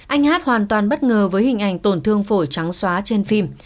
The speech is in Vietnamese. anh hát hoàn toàn bất ngờ với hình ảnh tổn thương phổi trắng xóa trên phim